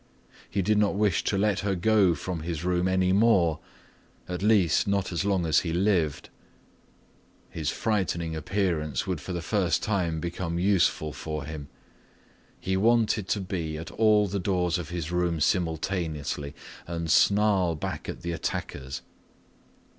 He did not wish to let her go from his room any more, at least not as long as he lived. His frightening appearance would for the first time become useful for him. He wanted to be at all the doors of his room simultaneously and snarl back at the attackers.